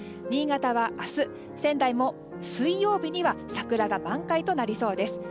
新潟は明日、仙台も水曜日には桜が満開となりそうです。